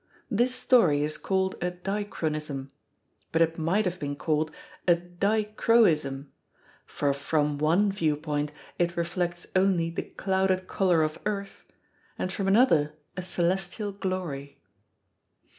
This story is called a "dichronism"; but it might have been called a dichroism, for from one viewpoint it reflects only the clouded colour of earth, and from another a celestial glory.